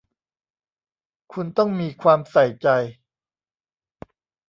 คุณต้องมีความใส่ใจ